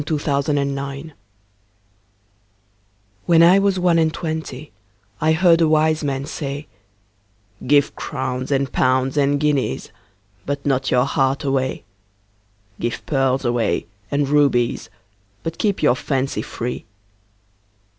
When I was one and twenty WHEN I was one and twentyI heard a wise man say,'Give crowns and pounds and guineasBut not your heart away; Give pearls away and rubiesBut keep your fancy free.